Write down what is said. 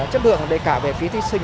chất lượng để cả về phí thí sinh